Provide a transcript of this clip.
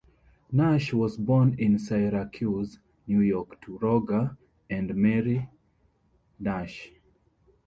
Nash was born in Syracuse, New York, to Roger and Mary Nash.